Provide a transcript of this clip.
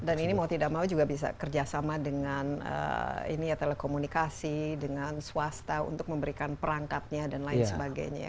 dan ini mau tidak mau juga bisa kerjasama dengan telekomunikasi dengan swasta untuk memberikan perangkatnya dan lain sebagainya